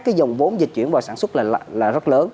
cái dòng vốn dịch chuyển vào sản xuất là rất lớn